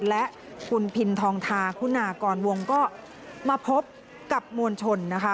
และคุณพินทองทาคุณากรวงก็มาพบกับมวลชนนะคะ